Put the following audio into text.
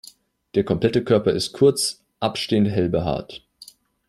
Der komplette Körper ist kurz, abstehend hell behaart.